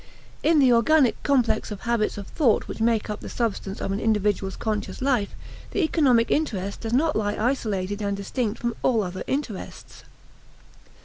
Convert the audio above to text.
In the organic complex of habits of thought which make up the substance of an individual's conscious life the economic interest does not lie isolated and distinct from all other interests.